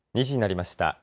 ２時になりました。